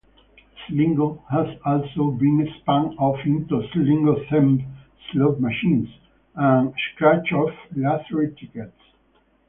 Slingo has also been spun off into Slingo-themed slot machines, and scratch-off lottery tickets.